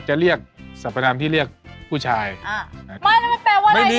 นี่ที่สอบหน้าตาอีก๓อยู่ใช่ไหม